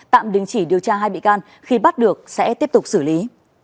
tạm đình chỉ điều tra hai bị can khi bắt được sẽ tiếp tục xử lý